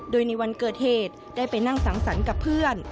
โดยในวันเกิดเหตุได้ไปนั่งสังสรรค์กับเพื่อน